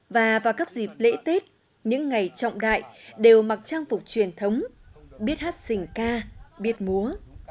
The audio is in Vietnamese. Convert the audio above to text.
và vào các dịp lễ tết những ngày trọng đại đều mặc trang phục truyền thống biết hát xình ca biết múa